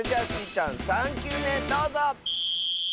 ちゃん３きゅうめどうぞ！